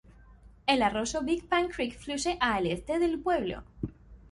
El arroyo Big Pine Creek fluye a al este del pueblo.